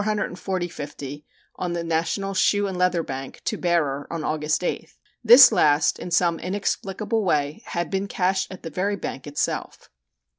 50 on the National Shoe and Leather Bank, "to bearer," on August 8th. This last, in some inexplicable way, had been cashed at the very bank itself.